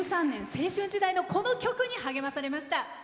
青春時代、この曲に励まされました。